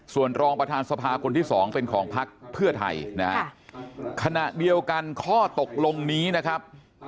ส่วนรองประธานสภาคนที่สองเป็นของพักเพื่อไทยนะฮะขณะเดียวกันข้อตกลงนี้นะครับ